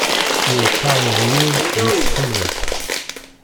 Iwqeɛ uɣyul di txemṛet.